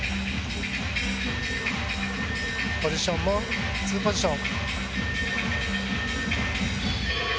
ポジションもツーポジション。